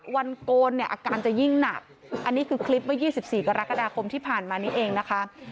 โกนเนี่ยอาการจะยิ่งหนักอันนี้คือคลิปเมื่อ๒๔กรกฎาคมที่ผ่านมานี้เองนะคะ